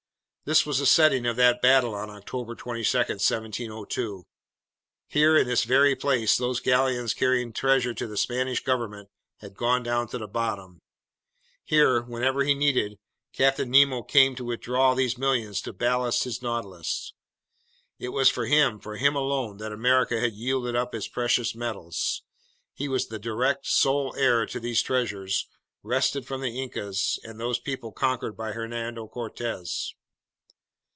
This was the setting of that battle on October 22, 1702. Here, in this very place, those galleons carrying treasure to the Spanish government had gone to the bottom. Here, whenever he needed, Captain Nemo came to withdraw these millions to ballast his Nautilus. It was for him, for him alone, that America had yielded up its precious metals. He was the direct, sole heir to these treasures wrested from the Incas and those peoples conquered by Hernando Cortez!